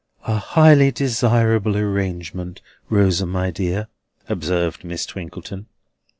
"A highly desirable arrangement, Rosa my dear," observed Miss Twinkleton.